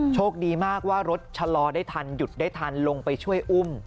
โชคดีมากว่ารถชะลอได้ทันหยุดได้ทันลงไปช่วยอุ้ม